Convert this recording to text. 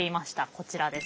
こちらです。